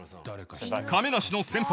亀梨の先輩